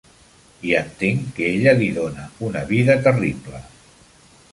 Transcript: I entenc que ella li dona una vida terrible.